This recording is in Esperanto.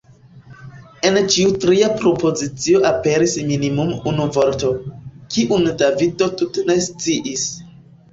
En ĉiu tria propozicio aperis minimume unu vorto, kiun Davido tute ne sciis.